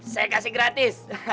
saya kasih gratis